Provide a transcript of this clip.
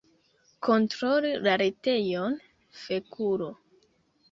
Kontrolu la retejon, fekulo